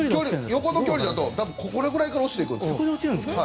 横の距離だとこれぐらいから落ちます。